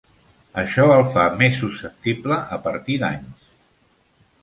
Això el fa més susceptible a partir danys.